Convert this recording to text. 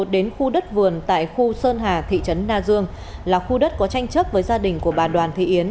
đến khu đất vườn tại khu sơn hà thị trấn na dương là khu đất có tranh chấp với gia đình của bà đoàn thị yến